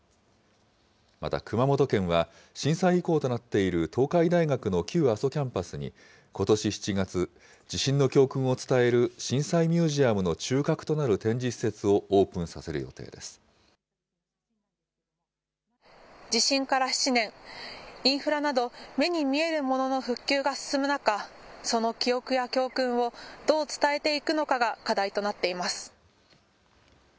また熊本県は、震災遺構となっている東海大学の旧阿蘇キャンパスに、ことし７月、地震の教訓を伝える震災ミュージアムの中核となる展示施設をオー地震から７年、インフラなど、目に見えるものの復旧が進む中、その記憶や教訓をどう伝えていくのかが課題となっています。